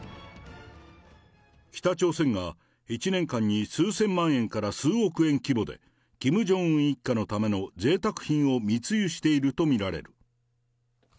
北朝鮮が１年間に数千万円から数億円規模で、キム・ジョンウン一家のためのぜいたく品を密輸していると見られる。